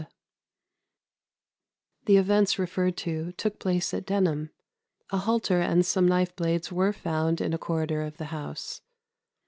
] The events referred to took place at Denham. A halter and some knife blades were found in a corridor of the house.